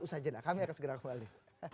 usaha jeda kami akan segera kembali